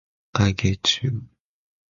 I'll get you.